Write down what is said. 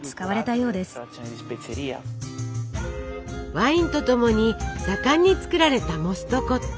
ワインとともに盛んに作られたモストコット。